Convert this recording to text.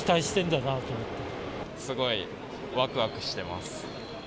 すごいわくわくしてます。